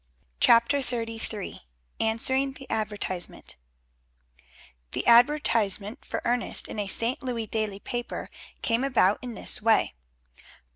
CHAPTER XXXIII ANSWERING THE ADVERTISEMENT The advertisement for Ernest in a St. Louis daily paper came about in this way.